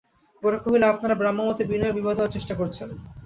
গোরা কহিল, আপনারা ব্রাহ্মমতে বিনয়ের বিবাহ দেবার চেষ্টা করছেন।